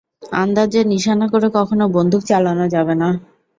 আন্দাজে নিশানা করে কখনও বন্দুক চালানো যাবে না।